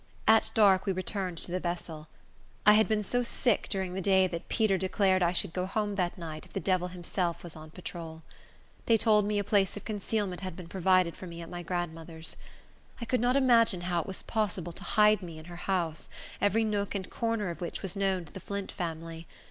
At dark we returned to the vessel. I had been so sick during the day, that Peter declared I should go home that night, if the devil himself was on patrol. They told me a place of concealment had been provided for me at my grandmother's. I could not imagine how it was possible to hide me in her house, every nook and corner of which was known to the Flint family.